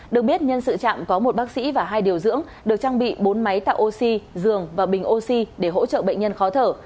được biết nhân sự chạm có một bác sĩ và hai điều dưỡng được trang bị bốn máy tạo oxy giường và bình oxy để hỗ trợ bệnh nhân khó thở